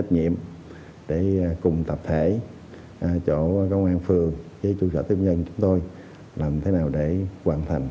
để mình sẽ trở lại chỗ trụ sở tiếp dân của tỉnh